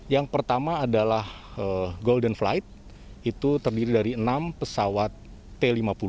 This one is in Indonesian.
yang pertama adalah golden flight itu terdiri dari enam pesawat t lima puluh